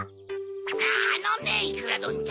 あのねいくらどんちゃん。